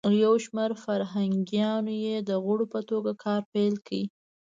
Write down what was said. یو شمیر فرهنګیانو یی د غړو په توګه کار پیل کړ.